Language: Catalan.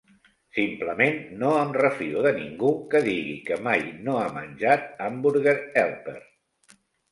Simplement no em refio de ningú que digui que mai no ha menjat Hamburger Helper.